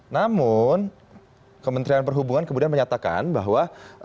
namun kementerian perhubungan kemudian menyatakan bahwa